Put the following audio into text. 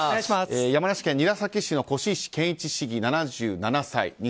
山梨県韮崎市の輿石賢一市議、７７歳。